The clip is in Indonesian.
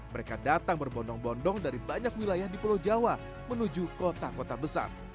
mereka datang berbondong bondong dari banyak wilayah di pulau jawa menuju kota kota besar